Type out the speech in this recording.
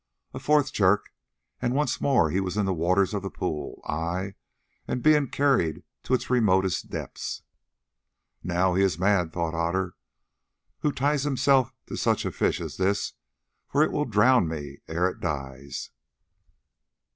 A fourth jerk, and once more he was in the waters of the pool, ay, and being carried to its remotest depths. "Now, he is mad," thought Otter, "who ties himself to such a fish as this, for it will drown me ere it dies."